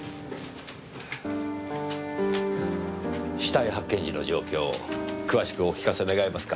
死体発見時の状況を詳しくお聞かせ願えますか。